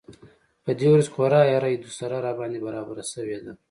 په دې ورځو کې خورا اره و دوسره راباندې برابره شوې ده.